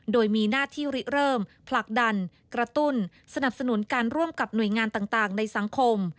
โดยมีหน้าที่ริเริ่มผลักดันกระตุ้นสนับสนุนการร่วมกับหน่วยงานต่างในสังคม